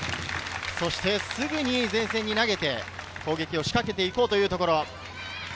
そしてすぐに前線に投げて、攻撃を仕掛けて行こうというところ。